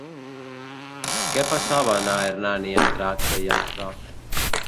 Què passaven a Hernani entre acte i acte?